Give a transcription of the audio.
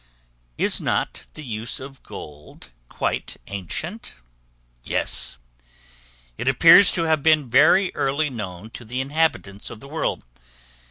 Is not the use of Gold quite ancient? Yes; it appears to have been very early known to the inhabitants of the world.